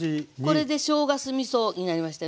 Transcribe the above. これでしょうが酢みそになりましたよね。